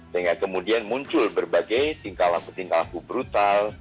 sehingga kemudian muncul berbagai tingkah laku tingkah laku brutal